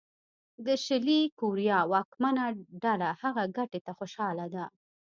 د شلي کوریا واکمنه ډله هغې ګټې ته خوشاله ده.